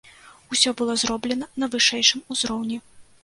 Усё было зроблена на вышэйшым узроўні.